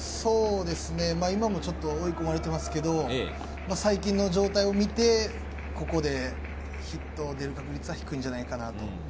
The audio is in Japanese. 今も追い込まれていますけど、最近の状態を見て、ここでヒットが出る確率は低いんじゃないかなと。